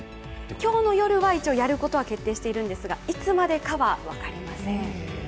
今日の夜はやることは決定しているんですが、いつまでかは分かりません。